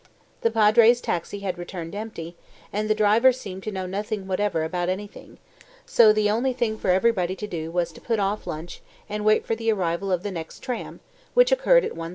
The Padre's taxi had returned empty, and the driver seemed to know nothing whatever about anything, so the only thing for everybody to do was to put off lunch and wait for the arrival of the next tram, which occurred at 1.37.